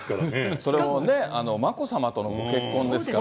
それもね、眞子さまとのご結婚ですからね。